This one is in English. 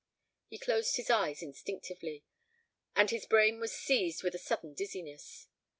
He closed his eyes instinctively—and his brain was seized with a sudden dizziness.